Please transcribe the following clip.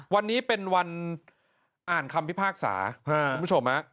วันนี้เป็นวันอ่านคำพิพากษาคุณผู้ชม